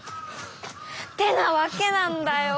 ってなわけなんだよ！